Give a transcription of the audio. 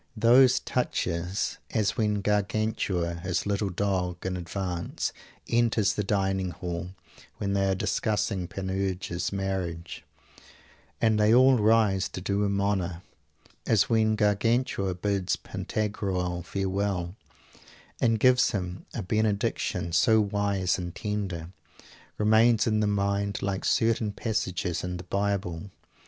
Those touches, as when Gargantua, his little dog in advance, enters the dining hall, when they are discussing Panurge's marriage, and they all rise to do him honor; as when Gargantua bids Pantagruel farewell and gives him a benediction so wise and tender; remain in the mind like certain passages in the Bible.